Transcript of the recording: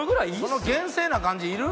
その厳正な感じいる？